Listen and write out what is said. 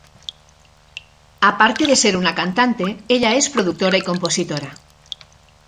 Aparte de ser una cantante ella es productora y compositora.